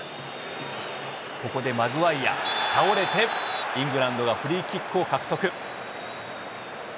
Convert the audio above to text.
ここでマグワイア、倒れてイングランドがフリーキックを獲得。